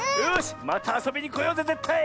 またあそびにこようぜぜったい！